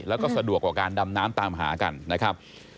แล้วก็สะดวกกว่าการดำน้ำตามหากันนะครับ